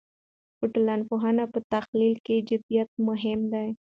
د ټولنپوهنې په تحلیل کې جدیت مهم دی.